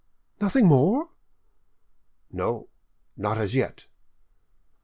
"Nothing more?" "No, not as yet."